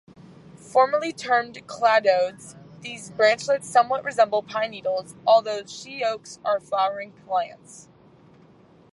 Formally termed cladodes, these branchlets somewhat resemble pine needles, although sheoaks are flowering plants.